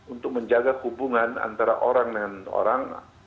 untuk menjaga hubungan antara orang dengan orang